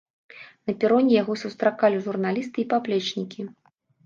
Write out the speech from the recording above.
На пероне яго сустракалі журналісты і паплечнікі.